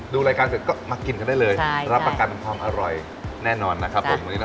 ดูรายการก็มากินกันได้เลยรับประกันความอร่อยแน่นอนนะครับผม